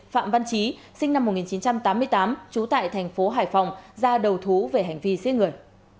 phạm văn trí sinh năm một nghìn chín trăm tám mươi tám trú tại thành phố hải phòng ra đầu thú về hành vi giết người